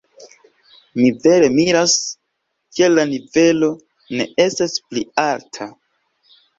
Mi vere miras, kial la nivelo ne estas pli alta.